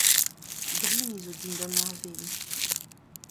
Brini zo dindan ar wezenn.